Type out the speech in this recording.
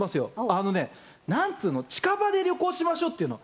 あのね、なんつうの、近場で旅行しましょうっていうの。